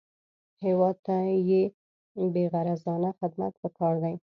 هېواد ته بېغرضانه خدمت پکار دی